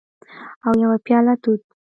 او یوه پیاله توت